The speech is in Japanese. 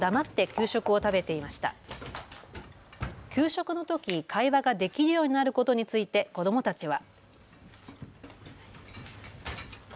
給食のとき会話ができるようになることについて子どもたちは。